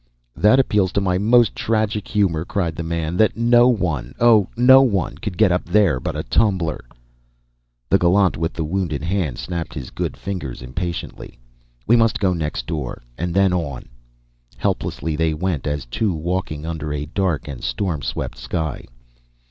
"That appeals to my most tragic humor," cried the man, "that no one oh, no one could get up there but a tumbler." The gallant with the wounded hand snapped his good fingers impatiently. "We must go next door and then on " Helplessly they went as two walking under a dark and storm swept sky.